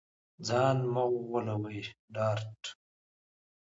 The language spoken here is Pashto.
ځان مه غولوې ډارت